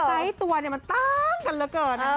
ใส่ตัวเนี่ยมันตั้งกันเหลือเกิดนะ